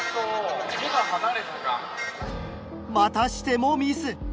またしてもミス。